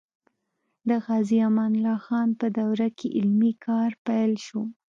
د غازي امان الله خان په دوره کې علمي کار پیل شو.